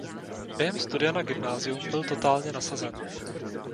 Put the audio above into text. Během studia na gymnázium byl totálně nasazen.